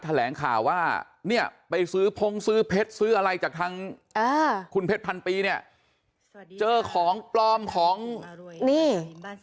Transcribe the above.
แถลงข่าวว่าเนี่ยไปซื้อพงซื้อเพชรซื้ออะไรจากทางคุณเพชรพันปีเนี่ยเจอของปลอมของนี่